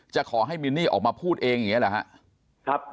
จะขอให้มินนี่ออกมาพูดเองอย่างนี้หรือครับ